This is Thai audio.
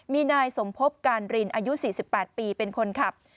มีนายสมพบการรินอายุ๔๘ปีเป็นคนขับ